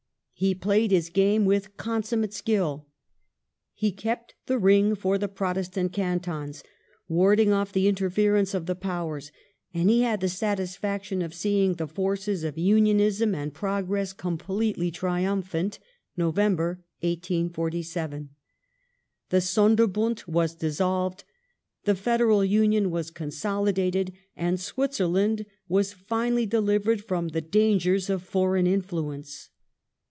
He played his game with consummate skill. He kept the ring for the Protestant cantons, wai ded off" the interference of the Powers, and he had the satisfaction of seeing the forces of unionism and progress completely triumphant (Nov. 1847). The Sonderbund was dissolved : the federal union was consolidated, and Switzerland was finally delivered from the dangers of foreign interference.